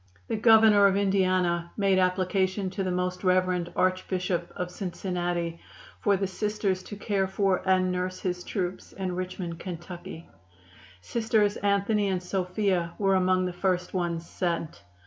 The Governor of Indiana made application to the Most Rev. Archbishop of Cincinnati for the Sisters to care for and nurse his troops in Richmond, Ky. Sisters Anthony and Sophia were among the first ones sent.